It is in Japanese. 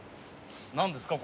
何ですか？